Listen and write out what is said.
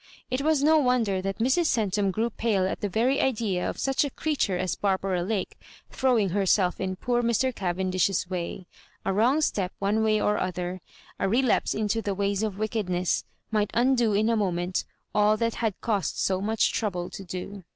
It was no wonder that Mrs. Centum grew pale at the very idea of such a creature as Barbara Lake throwing herself in poor Mr Cavendish's way. A wrong step one way or other — a relapse into the ways of wick^edness— might undo in a moment all that had cost so much trouble to do.